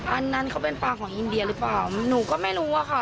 อันนั้นเขาเป็นป้าของอินเดียหรือเปล่าหนูก็ไม่รู้อะค่ะ